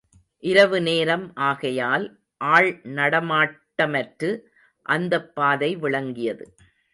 இரவுநேரம் ஆகையால் ஆள் நடமாட்டமற்று அந்தப் பாதை விளங்கியது.